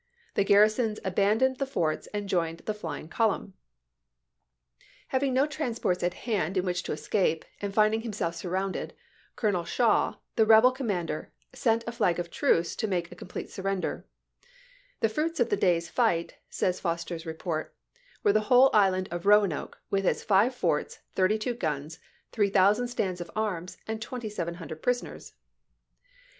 The garrisons abandoned the forts and joined the flying column. Having no transports at hand in which to escape, and finding himself surrounded, Colonel Shaw, the rebel com mander, sent a flag of truce to make a complete surrender, "The fruits of the day's fight," says Foster's report, " were the whole island of Eoanoke Repor^Ao with its five forts, thirty two guns, 3000 stands of on°c^duct _^ q( ^jje War arms, and 2700 prisoners."